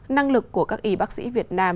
năng lực của các y bác sĩ việt nam